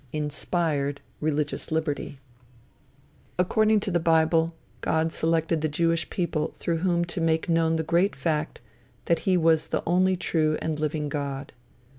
"INSPIRED" RELIGIOUS LIBERTY According to the bible, God selected the Jewish people through whom to make known the great fact, that he was the only true and living God.